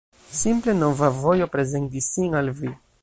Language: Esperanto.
Simple, nova vojo prezentis sin al vi.